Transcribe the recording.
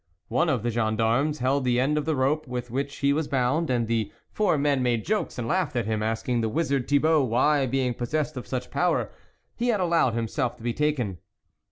One of the gendarmes held the end of the rope with which he was bound, and the four men macje jokes and laughed at him, asking the wizard Thibault, why, being possessed of such power, he had allowed himself to be taken.